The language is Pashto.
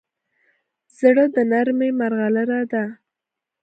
زړه د نرمۍ مرغلره ده.